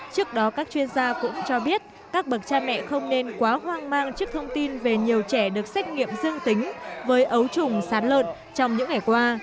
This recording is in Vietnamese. trước đó các chuyên gia cũng cho biết các bậc cha mẹ không nên quá hoang mang trước thông tin về nhiều trẻ được xét nghiệm dương tính với ấu trùng sán lợn trong những ngày qua